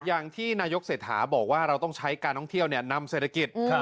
อย่างที่นายกเศรษฐาบอกว่าเราต้องใช้การท่องเที่ยวนำเศรษฐกิจ